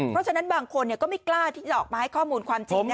เพราะฉะนั้นบางคนก็ไม่กล้าที่จะออกมาให้ข้อมูลความจริง